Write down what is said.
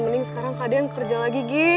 mending sekarang kak deyan kerja lagi gi